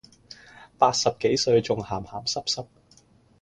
八十幾歲仲咸咸濕濕